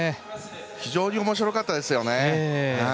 非常におもしろかったですよね。